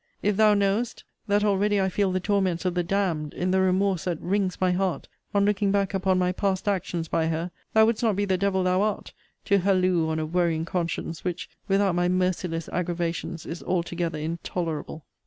If thou knowest, that already I feel the torments of the damned, in the remorse that wrings my heart, on looking back upon my past actions by her, thou wouldst not be the devil thou art, to halloo on a worrying conscience, which, without my merciless aggravations, is altogether intolerable.